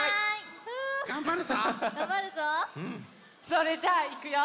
それじゃあいくよ！